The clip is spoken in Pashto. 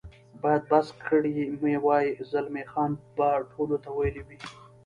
باید بس کړي مې وای، زلمی خان به ټولو ته ویلي وي.